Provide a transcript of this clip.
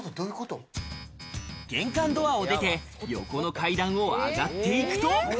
玄関ドアを出て、横の階段を上がっていくと。